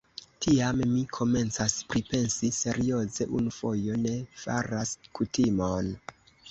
Tiam, mi komencas pripensi serioze: unu fojo ne faras kutimon.